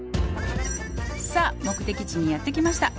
「さあ目的地にやってきました」